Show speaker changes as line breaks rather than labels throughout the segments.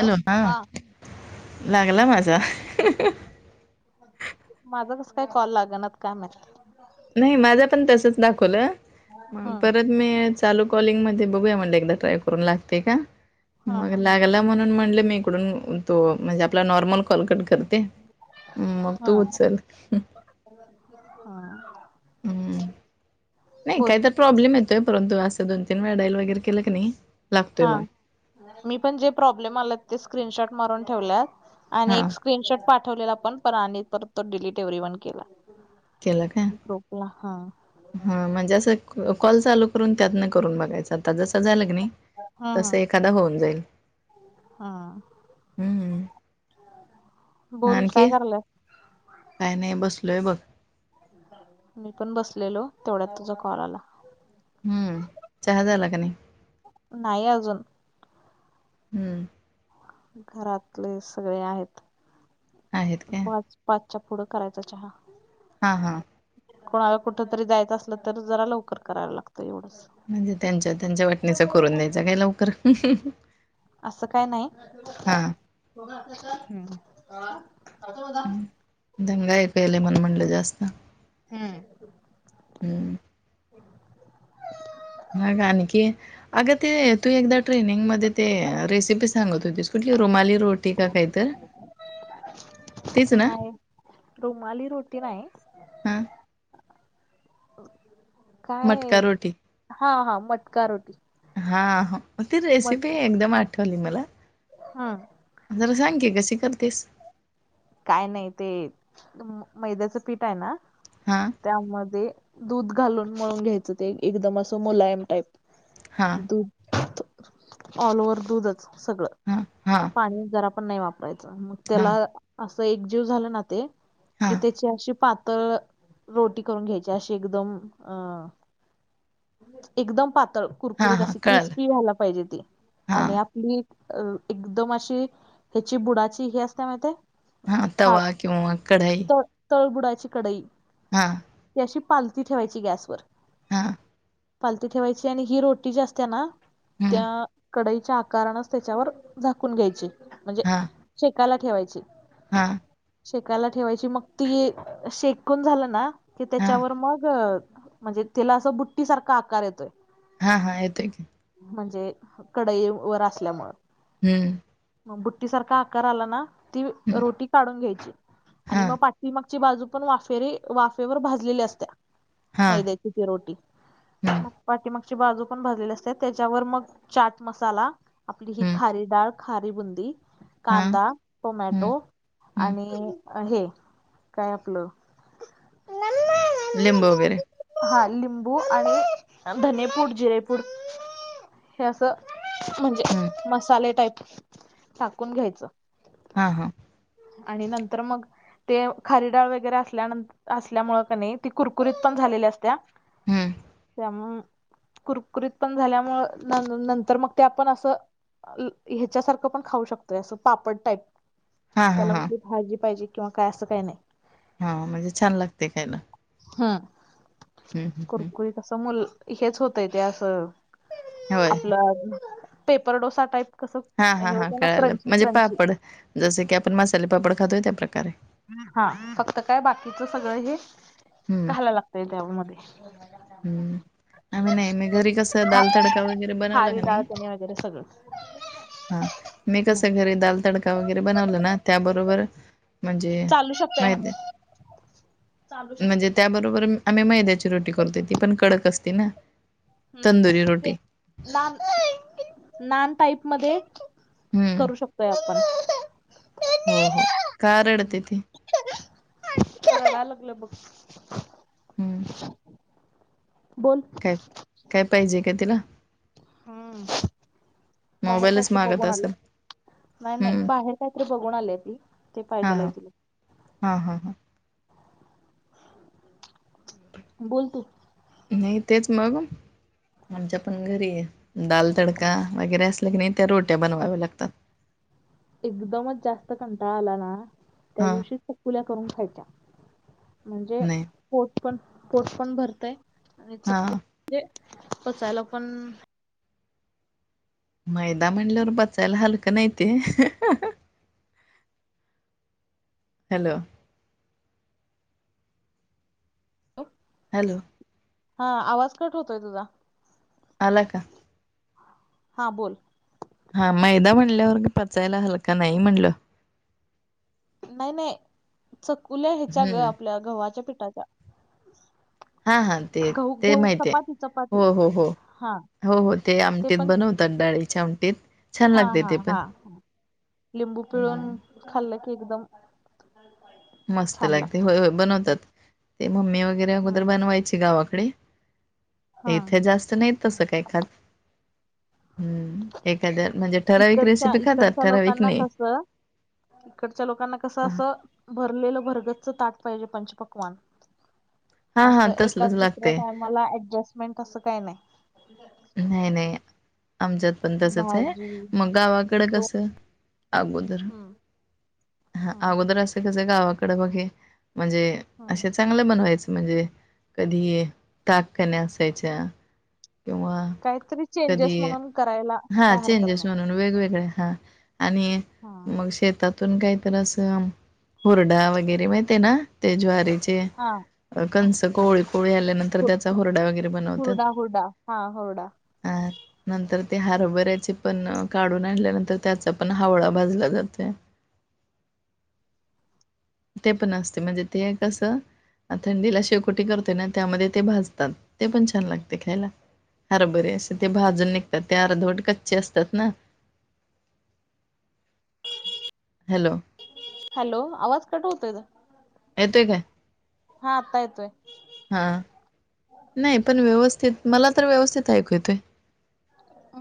Hello हां लागलां माझां
माझां कसं कांहीं कॉल लागेनां कायं माहिती
नाहीं माझं पणं तसंच
ह
दाखवलं परंत नई चालूं काॅलीग मंध्ये बघूया लागते कां मं ट्राय करूंन लागते
हा
कां
हा
लागलां म्हणूंन म्हणले मी इकडूंन तो म्हणजे आपलां नॉर्मल कॉलकंट करते ते मंग तूं उचलं
हां
हम्मं नाहीं कांहीत प्रॉब्लेम येतोय परंतु असं दोन तीनं वेळाईल वगैरें केलं की नाहीं
हां मी पणं जे प्रॉब्लेम आले ते स्क्रीनशॉट मारूंन ठेवल्यातं आणि
हा
स्क्रीनशॉट पाठवलेलां पणं पणं आणि पर तो डिलीट एव्हरी वंन केलां
केलां कां हां म्हणजे असं कॉल चालूं करूंन त्यांतून करूंन बघायचं आता जसं झालंकी नाहीं
हा
तसं एखाद्या होऊनं जाईलं
हां काय
आणंखी
करायलाय
कांहीं नाहीं बसलोयं बघं
मी पणं बसलेलो तेवढ्यांत तुझां कॉल आलां
हम्मं चहा झाला कां नाहीं
नाहीं अजूंन
हम्मं
घरांतले सगळें
आहेत
आहेतं
काय?
पांच पांचच्यां पुढं करायचां चहा
हा हा
कोणाला कुठं तरी जायचं असलं तर जरा लवकर करायला लागतं एवढंच
म्हणजे त्यांच्या त्यांच्या वाटणीचा करून द्यायचा काय लवकर?
असं काय नाही-
हां.
[inaudible]
दंगा ऐकायला मला म्हटलं जास्त
हम्
हम् मग आणखी? अगं ते तू एकदा ट्रेनिंग मध्ये ते रेसिपी सांगत होतीस कुठली रुमाली रोटी?
[inaudible]
का काही तर? तीच ना?
नाही रुमाली रोटी नाही
हां.
[inaudible] काय
मटका
हा हा मटका रोटी
हा ती रेसिपी एकदम आठवली मला
हा
जरा सांग कशी करतीस?
काय नाही ते मैद्याचं पीठय ना?
हा
त्यामध्ये दूध घालून मळून घ्यायचं ते एकदम असं मुलायम टाईप
हां,
दूध ऑल ओव्हर दूधच सगळं
हा हा
पाणी जरा पण नाय वापरायचं मग त्याला असं एकजीव झालं ना ते कि
हां,
त्याची अशी पातळ रोटी करून घ्यायची अशी एकदम अ एकदम पातळ
हां,
कुरकुरीत
हां.
अशी
कळालं.
क्रिस्पी व्हायला पाहिजे ती आणि
हां,
ती एकदम अशी ह्याची बुडाची ही असते माहितीेय?
हा तवा किंवा कढाई
तळ तळबुडाची कडई
हा
ती अशी पालती ठेवायची गॅसवर
हां
पालती ठेवायची आणि ही रोटी जी असते ना
हम्म
त्या कडाईच्या आत कारणच त्यांच्यावर झाकून घ्यायचे म्हणजे
हा
शेकायला ठेवायची.
हा
शेकायला ठेवायची मग ती शेकून झालं ना की
हा
त्यांच्यावर मग म्हणजे तिला असं बुट्टी सारखा आकार येतोय.
हा हा येतोय की
म्हणजे कडई वर असल्यामुळं
हम्म
मग बुट्टी सारखा आकार आला ना ती रोटी काढून घ्यायची
हा
आणि मग पां ती मागची बाजू पण वाफेरीे वाफेवर भाजलेली असत्या
हा
मैद्याची ती रोटी
हम्म
मग पाठीमागची बाजू पण भाजलेली असते त्यांच्यावर मग चाट मसाला आपली ही
हम्म
खारी डाळ, खारी बुंदी,
हा
कांदा, टोमॅ
हम्म
टो
हम्म
आणि हे काय आपलं [inaudible]
लिंब वगैरे
हा लिंबू आणि धनेपूड जिरेपूड हे असं म्हणजे
हम्म
मसाले टाईप टाकून घ्यायचं.
हा हा
आणि नंतर मग ते खारी डाळ वगैरे असल्यान असल्यामु क नाही ती कुरकुरीत पण झालेली असत.
हम्म
त्यामु कुरकुरीत पण झाल्यामु नंतर मग ते आपण असं. ह्याच्यासारखं पण खाऊ शकतोय असं पापड टाईप
हा हा
त्याला
हा
कुठली भाजी पाहिजे किंवा काय असं काही नाही.
हा म्हणजे छान लागते खायला.
हम्म
हम्म हम्म हम्म
कुरकुरीतसं मुल हेच होतय ते असं.
होय
आपलं पेपर डोसा टाईप कसं
हा हा
हे
हा
होते ना
कळालं
क्रंची
म्हणजे
क्रंची
पापड जस की आपण मसाले पापड खातोय त्या प्र्रकारे
हा फक्त काय बाकीच सगळं हे
हम्म
घालाय लागतय त्यावमध्ये
हम्म आम्ही नाही मी घरी कसं
ह
दाल तडका वगैरे बनवला का नाही
हारडाळतनी वगैरे सगळं.
हा मी कस घरी दाल तडका वगैरे बनवलं ना त्याबरोबर म्हणजे
चालू शकतंय
माहित
चालू शकते.
म्हणजे त्याबरोबर. बरोबर आम्ही मैद्याची रोटी करतोय ती पण कडक असते ना.
हम्म
तंदुरी
ते
रोटी
नान नान टाईप मध्ये
हम्म
करू शकतोय आपण
हो हो का रडत ये ते
लागलं बक.
हम्म.
बोल.
काय काय पाहिजे का तिला
हम्म बाहेर
मोबाईलच
कायतरी
मागत
बघून आलं.
असेल
नाही नाही
हम्म
बाहेर काहीतरी बघून आलेय ती ते पाहिजेलाय तिला
हा हा ह.
बोलतो.
नाही तेच मग आमच्या पण घरी दाल तडका वगैरे असल्या की नाही त्या रोट्या बनवाव्या लागतात.
एकदमच जास्त कंटाळा आला ना त्या
हां
दिवशी चकुल्या करून खायच्या. म्हणजे
नाही
पोट पण पोट पण भरतय आणि च
हां
म्हणजे पचायला पण
मैदा म्हटल्यावर बचायला हलकं नाही ते हॅलो. हॅलो.
हा आवाज कट होतोय तुझा?
अला का?
हां बोल.
हा मैदा म्हणल्यावर पचायला हलका नाही म्हणलं.
नाही नाही चकुल्या ह्याच्या ग
हम्म.
आपल्या गव्हाच्या पिठाच्या
हा हा ते
गहू
ते
गहू
माहिती आहे
चपाती चपाती
हो हो हो
हा
हो हो ते आमटीत बनवते. डाळीच्या आमटीत छान
हा
लागते
हा
ते पण.
हा लिंबू पिळून
हम्म
खाल्लं की एकदम. हर पा.
मस्त लागते होय होय बनवतात. ते मम्मी वगैरे वगोर
हम्म
बनवायची गावाकडे
हा
इथे जास्त नाहीत. तसं काय खात. हम्म एखाद्या म्हणजे ठराविक
इकडच्या
रेसिपी खातात
इकडच्या
ठराविक
लोकांना
नाही.
कसं इकडच्या लोकांना कसं असं. भरलेलं भरगतच ताट पाहिजे पंचपकवान
हा हा
असं
तसलच
एकाच दुसऱ्या
लागतय.
टाइमाला ऍडजस्टमेंट असं काही नाही.
नाही नाही आमच्यात पण तसच आहे
भाजी
मग गावाकडे
दोन
कस अगोद
हम्म
ह
हम्म
अगोदर असं कस गावाकडे बघे म्हणजे
हम्म
असेच चांगलं बनवायचं म्हणजे कधी ताक कण्या असायच्या. तेव्हा
काहीतरी चेंजेस म्हणून करायला काय हरकत नाही.
वेगवेगळे हा आणि
हा
म श ून काहीत असं हुरडा वगैरे माहित आहे ना. ते ज्वारीचे
हा
कंस कोळी कोळी आल्यानंतर त्याचा होरडा वगैरे बनवतात.
होडा. हा होौडा.
ह. नंतर ते हरभऱ्याचे पण काढून आणल्यानंतर त्याचा पण हवळा भाजला जातोय. ते पण असते म्हणजे ते कसं? थंडीला शेवकोटी करतोय ना त्यामध्ये ते भाजतात ते पण छान लागते खायला. हर बरे असे ते भाजून निघतात ते अर्धोट कच्चे असतात ना. हॅलो.
हॅलो आवाज कट होतोय का?
येतेय काय?
हा आत्तायतय.
हा नाही पण व्यवस्थित मला तर व्यवस्थित ऐकू येतंय.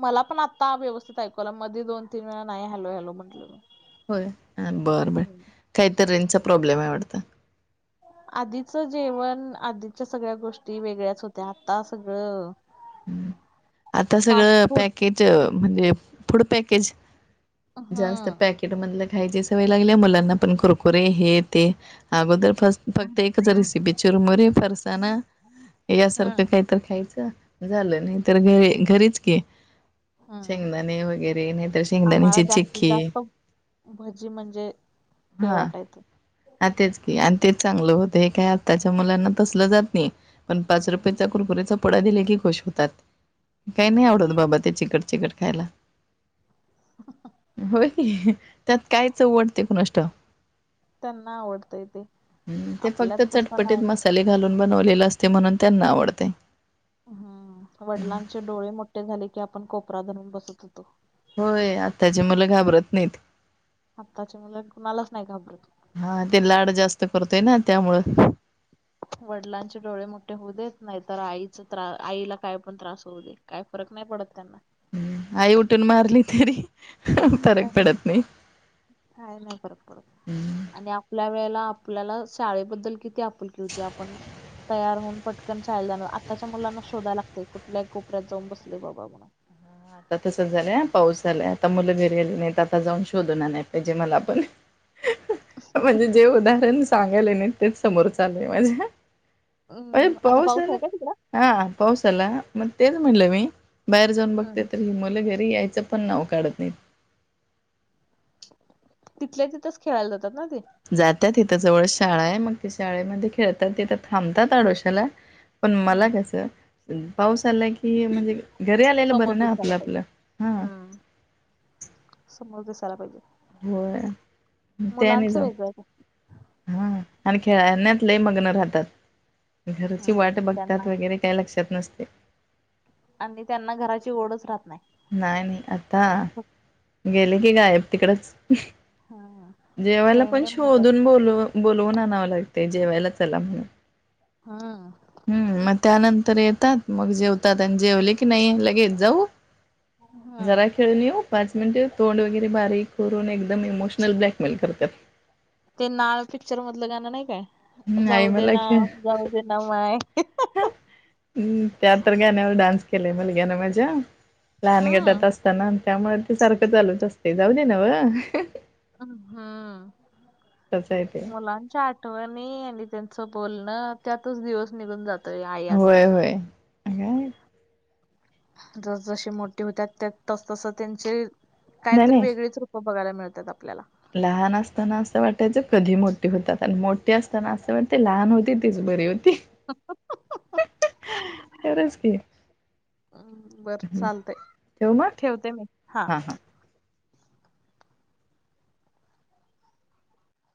मला पण आत्ता व्यस्थित ऐकूयला मध्येी दोन तीन वेळा नाही हॅलो हॅलो म्हटलं मी
होय बरं बर
हम्म.
काहीतरीेंचा प्रॉब्लेम आहे आटडत.
आधीचं जेवण आधीच्या सगळ्या गोष्टी वेगळ्याच होत्या आता सगळं.
आता
फास्ट
सगळं
फूड
पॅकेज म्हणजे फड पॅकेज जास्त
हम्म.
पॅकेटमधलं खायची सवय लागली मुलांना पण कुरकुरे हे ते. अगोदर फस फक्त एकच रेसिपी चुरमुरी फरसाणा यासारखं
हम्म.
काय? तर खायचं झालं नाही तर घरी घरीच क
हम्म
शेंगदाणे वगैरे नाहीतर
आम्हाला
शेंगदाणीची
जास्तीत
चिक्की
जास्त भजी म्हणजे हे वाटायचं.
ह तेच की आणि तेच चांगलं होतं हे काय आत्ताच्या मुलांना तसलं जात नाही. पण पाच रुपयेचा कुरकुरी्याचा पडा दिले की खुश होतात काही नाही
हम्म
आवडत बाबा ते चिकट चिकट खयला होय त्यात काय चवटते क नष्ट.
त्यांना आवडता य तेे
ह ते फक्त चटपटीत मसाले घालून बनवलेले असते म्हणून त्यांना आवडते.
हम्म वडिलांचे डोळे मोठे झाले की आपण कोपरा धरून बसत होतो.
होय आत्ताचे मुलं घाबरत नाहीत.
आत्ताचे मुलं कुणालाच नाही घाबरत.
हा ते लाड जास्त करतोय ना त्यामुळं
वडिलांचे डोळे मोठे होऊ देत नाही तर आईच त्र आईला काय पण त्रास होऊ दे. काय फरक नाही पडत त्यांना
् आई उठून मारली तरी फरक पडत नाही.
हा नाही फरक पडत. आणि आपल्या वेळेला आपल्याला शाळेबद्दल किती आपुलकी होती आपण तयार होऊन पटकन ायला जाणार आताच्या मुलांना शोधा लागते कुठल्या कोपऱ्यात जाऊन बसले बाबा म्हणून
आता तसंच झालंय पाऊस झालाय आता मुलं भिरलेले नाही तर आता जाऊन शोधणार नाही पाहिजे मला आपण म्हणजे जे उदाहरण सांगायल आहे नाही तेच समोर चाललंय माज्या अ
हम्म आता
पाऊस आला
आहे का तिकडं
हा पाऊस आला मग तेच म्हणलं मी बाहेर जाऊन. ते
हम्म
तरी मुलं घरी यायचं पण नाव काढत नाही.
तिथल्या तिथच खेळायला जातात ना ते
जातात इथं जवळ शाळा आहे मग ती शाळेमध्ये खेळतात तिथं थांबतात आडोश्याला पण मला
हम्म
कसं पाऊस आला की म्हणजे घरी आलेलं
समोर
बरं ना
दिसायला
आपलं
पाहिजे
आपलं हा
हम्म समोर दिसायला पाहिजे
होय ते आणि
मुलांचं
जाऊन
वेगळंय
हा आणि खेळाण्यात लय मग्न राहतात घरची वाट
हम्म
बघत्यात
त्यांना
वगैरे काय लक्षात नसतय
आणि त्यांना घराची ओढच राहत नाय
नाही आता गेले की गायप तिकडचं
हम्म
जेवायला पण
खेळणे महत्वाचं
शोधून बोल बोलवून आणावं लागतय जेवायला चला म्हणून
हा
हम् मग त्यानंतर येतात मग जेवतात आणि जेवले की नाही लगेच जाऊ? जरा
हम्म
खेळून येऊ? पाच मिनटे तोंड वगैरे बारीक करून एकदम इमोशनल ब्लॅकमेल करत्यात
ते नाळ पिक्चर मधलं गाणं नाही काय
हम्म आई
जाऊ दे
मला
ना जाऊ दे ना माय
ह त्या तर गाण्यावर डान्स केलाय मुलग्यानं माझ्या लहान गटात
हम्म
अस त्यामुळे ते सारखं चालत असते जाऊ दे नव्हं
हम् हम
तसं आहे ते
मुलांच्या आठवणी आणि त्यांच बोलणं त्यातच दिवस निघून जातोय आईयांचा
होय होय काय
जस जसे मोठे होत्या त्या तसतसं त्यांचे काय
नाही
तरी
नाही
वेगळेच खूप बघायला मिळतात आपल्याला
लहान असताना असं वाटायच कधी मोठे होतात आणि मोठी असताना असं वाटते लहान होती तीच बरी होती ती खरंच की [inaudible]
म् बरं
हम्म,
चालतय
ठेवू मग
ठेवते मी हा